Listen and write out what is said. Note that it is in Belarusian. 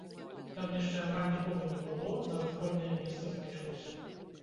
Там яшчэ амаль нікога не было, нават вольнае месца знайшлося.